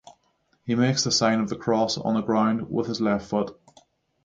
He makes the sign of the cross on the ground with his left foot.